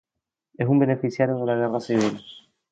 Es un beneficiario de la guerra civil.